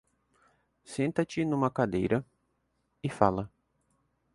Senta-te numa cadeira e fala.